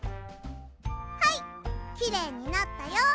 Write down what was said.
はいきれいになったよ。